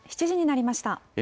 ７時になりました。